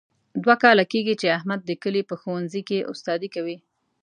دوه کاله کېږي، چې احمد د کلي په ښوونځۍ کې استادي کوي.